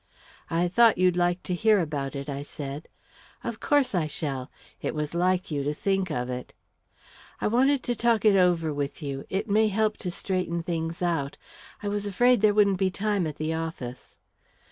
"I thought you'd like to hear about it," I said. "Of course I shall. It was like you to think of it." "I wanted to talk it over with you. It may help to straighten things out. I was afraid there wouldn't be time at the office."